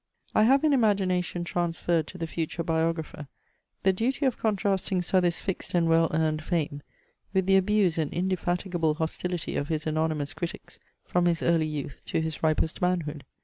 I have in imagination transferred to the future biographer the duty of contrasting Southey's fixed and well earned fame, with the abuse and indefatigable hostility of his anonymous critics from his early youth to his ripest manhood.